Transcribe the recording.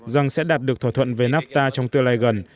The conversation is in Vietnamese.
rằng sẽ đạt được thỏa thuận về nafta trong tương lai gần